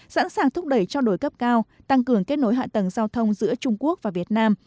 sẵn sàng thúc đẩy cho đổi cấp cao tăng cường kết nối hạ tầng giao thông giữa trung quốc và việt nam